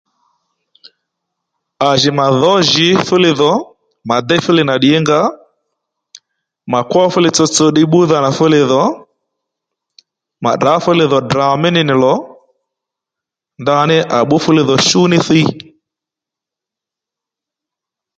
À jì mà dhǒ jǐ fúli dhò mà déy fúli nà ddǐngǎ mà kwo fúli tsotso ddiy bbúdha nà fúli dhò mà tdrǎ fúli dhò Ddrà mí ní nì lò ndaní à bbú fúli dhò shú ní thíy